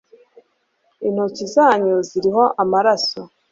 intoki zanyu ziriho amaraso